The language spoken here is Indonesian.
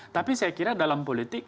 tapi saya kira dalam politik